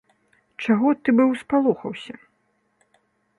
Чаго ты быў спалохаўся?